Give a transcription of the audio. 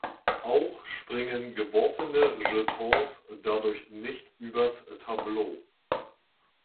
Auch springen geworfene Jetons dadurch nicht übers Tableau.